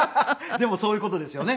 でもそういう事ですよね。